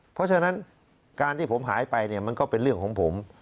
เพราะฉะนั้นการที่ผมหายไปเนี่ยมันก็เป็นเรื่องของผม